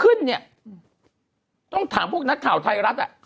ขึ้นเนี่ยต้องถามพวกนักข่าวไทยรัฐอ่ะ